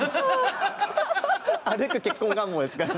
歩く結婚願望ですから。